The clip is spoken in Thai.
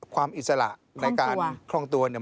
อิสระในการคล่องตัวเนี่ย